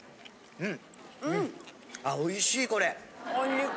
うん。